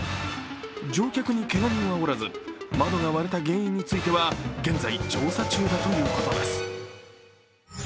乗客にけが人はおらず窓が割れた原因については現在、調査中だということです。